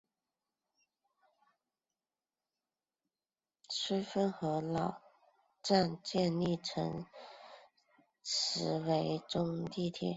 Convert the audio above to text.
绥芬河老站建立成时为中东铁路的九个二等站之一。